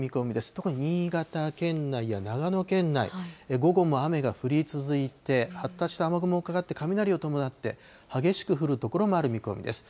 特に新潟県内や長野県内、午後も雨が降り続いて、発達した雨雲がかかって、雷を伴って、激しく降る所もある見込みです。